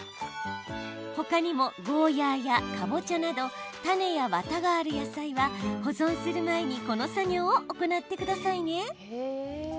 ほかにもゴーヤーやかぼちゃなど種や、わたがある野菜は保存する前にこの作業を行ってくださいね。